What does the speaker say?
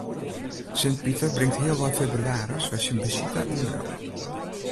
Sint Piter bringt healwei febrewaris wer syn besite oan Grou.